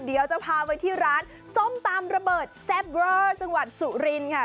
เดี๋ยวจะพาไปที่ร้านส้มตำระเบิดแซ่บเวอร์จังหวัดสุรินค่ะ